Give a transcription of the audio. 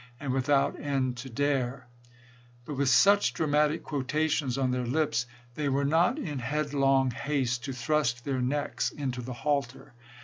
and without end to dare !'" 6i/p. 5. But with such dramatic quotations on their lips, they were not in headlong haste to thrust their necks into the halter.